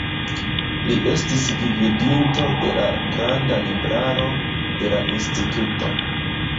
Li estis gvidinto de la granda libraro de la instituto.